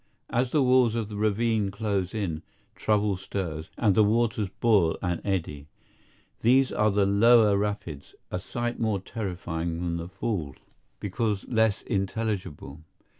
As the walls of the ravine close in, trouble stirs, and the waters boil and eddy. These are the lower rapids, a sight more terrifying than the Falls, because less intelligible.